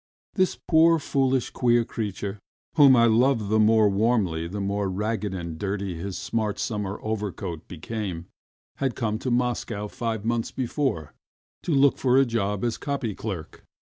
This poor, foolish, queer creature, whom I loved the more warmly the more ragged and dirty his smart summer overcoat became, had come to Moscow, five months before, to look for a job as copying clerk.